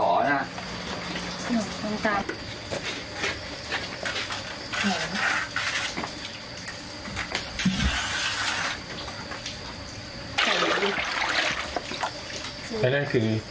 พร้อมทุกสิทธิ์